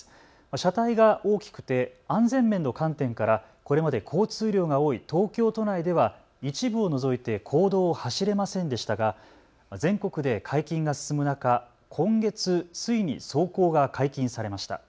車体が大きくて安全面の観点からこれまで交通量が多い東京都内では一部を除いて公道を走れませんでしたが全国で解禁が進む中、今月、ついに走行が解禁されました。